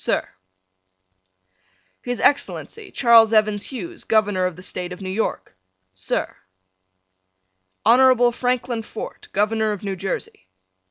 Sir: His Excellency, Charles Evans Hughes, Governor of the State of New York. Sir: Honorable Franklin Fort, Governor of New Jersey.